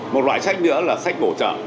một loại sách nữa là sách bổ trợ